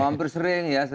hampir sering ya